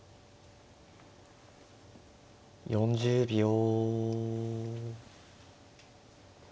４０秒。